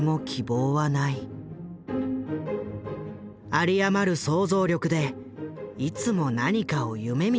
有り余る想像力でいつも何かを夢みている。